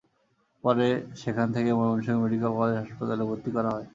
পরে সেখান থেকে তাঁকে ময়মনসিংহ মেডিকেল কলেজ হাসপাতালে ভর্তি করা হয়।